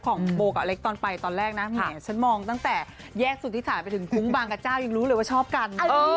ของโบกับเล็กตอนไปตอนแรกนะแหมฉันมองตั้งแต่แยกสุธิษฐานไปถึงคุ้งบางกระเจ้ายังรู้เลยว่าชอบกัน